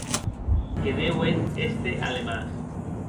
Que deuen èster alemans.